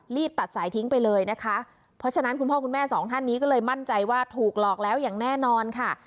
ตัดสายทิ้งไปเลยนะคะเพราะฉะนั้นคุณพ่อคุณแม่สองท่านนี้ก็เลยมั่นใจว่าถูกหลอกแล้วอย่างแน่นอนค่ะ